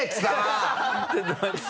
ちょっと待って